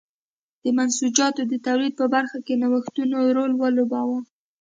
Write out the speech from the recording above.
د منسوجاتو د تولید په برخه کې نوښتونو رول ولوباوه.